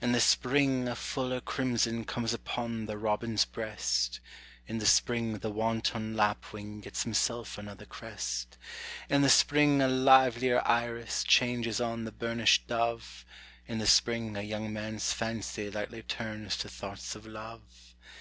In the spring a fuller crimson comes upon the robin's breast; In the spring the wanton lapwing gets himself another crest; In the spring a livelier iris changes on the burnished dove; In the spring a young man's fancy lightly turns to thoughts of love.